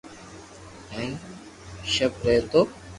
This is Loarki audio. ھين شپ رھتو